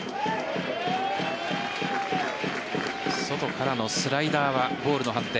外からのスライダーはボールの判定。